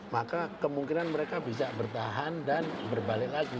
maka kemungkinan mereka bisa bertahan dan berbalik lagi